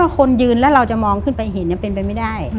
คนยืนแล้วเราจะมองขึ้นไปเห็นเป็นไปไม่ได้